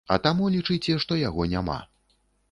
А таму, лічыце, што яго няма.